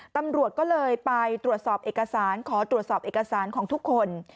ตำรวจก็เลยไปตรวจสอบเอกสารขอตรวจสอบเอกสารของทุกคน